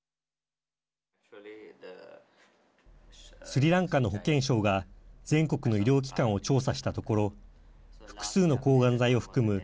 スリランカの保健省が全国の医療機関を調査したところ複数の抗がん剤を含む